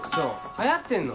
流行ってんの？